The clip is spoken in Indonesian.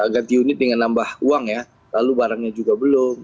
ganti unit dengan nambah uang ya lalu barangnya juga belum